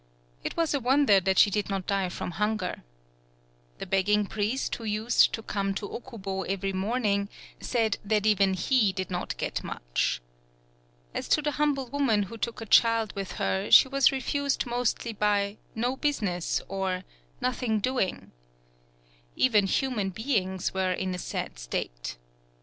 It was a wonder that she did not die from hunger. The beg ging priest who used to come to Okubo every morning said that even he did not get much. As to the humble woman who took a child with her, she was re fused mostly by "no business," or "nothing doing." Even human beings were in a sad state.